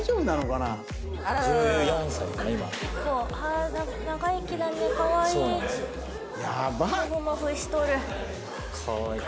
かわいい。